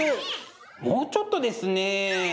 もうちょっとですね。